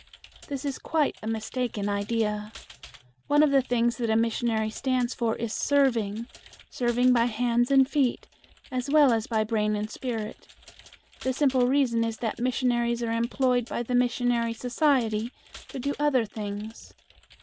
This is quite a mistaken idea. One of the things that a missionary stands for is serving, serving by hands and feet as well as by brain and spirit. The simple reason is that missionaries are employed by the missionary society to do other things.